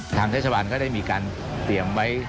ทางเทศบาลก็ได้มีการเตรียมไว้